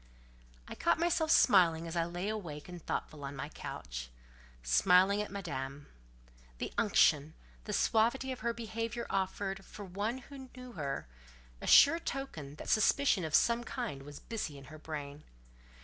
I caught myself smiling as I lay awake and thoughtful on my couch—smiling at Madame. The unction, the suavity of her behaviour offered, for one who knew her, a sure token that suspicion of some kind was busy in her brain.